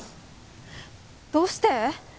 どうして？